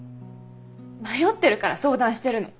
迷ってるから相談してるの。